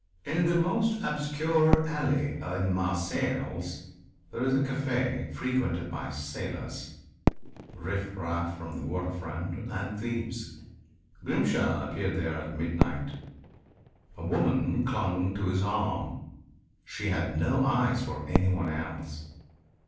In the most obscure alley in Marseilles there is a caf frequented by sailors, riff raff from the waterfront and thieves. Grimshaw appeared there at midnight. A woman clung to his arm. She had no eyes for any one else.